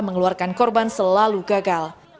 mengeluarkan korban selalu gagal